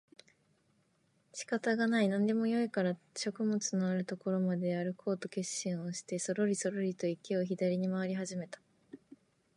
仕方がない、何でもよいから食物のある所まであるこうと決心をしてそろりそろりと池を左に廻り始めた